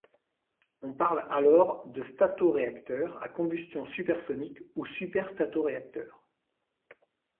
On parle alors de statoréacteur à combustion supersonique ou superstatoréacteur.